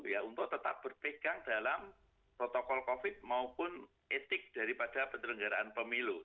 ya untuk tetap berpegang dalam protokol covid maupun etik daripada penyelenggaraan pemilu